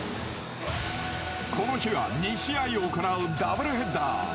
この日は、２試合を行うダブルヘッダー。